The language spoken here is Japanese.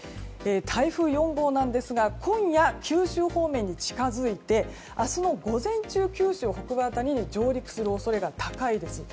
台風４号ですが、今夜九州方面に近づいて明日の午前中、九州北部辺りに上陸する恐れが高いです。